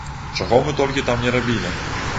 Чаго мы толькі там ні рабілі!